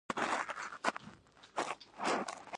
غوماشې د خلکو د آرام ګډوډوي.